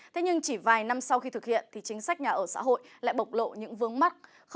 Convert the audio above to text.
thế nhưng chỉ vài năm sau khi thực hiện thì chính sách nhà ở xã hội lại bộc lộ những vướng mắt